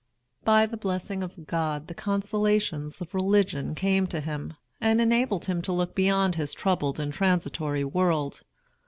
By the blessing of God the consolations of religion came to him, and enabled him to look beyond this troubled and transitory world.